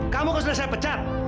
kamu harus disini saya pecat